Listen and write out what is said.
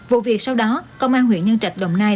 vụ việc sau đó công an huyện nhân trạch đồng nai